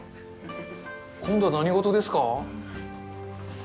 今度は何事ですか？